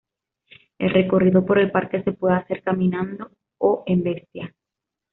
El recorrido por el parque se puede hacer caminando o en bestia.